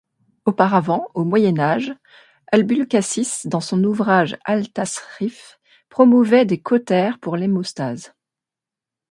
Auparavant, au Moyen Âge, Abulcassis dans son ouvrage Al-Tasrif promouvait des cautères pour l'hémostase.